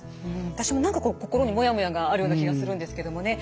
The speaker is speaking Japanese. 私も何かこう心にモヤモヤがあるような気がするんですけどもね。